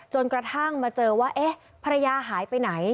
จนกระทั่งมาเจอว่าเอ๊ะภรรยาหายไปไหน